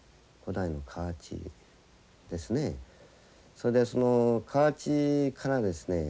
それでその河内からですね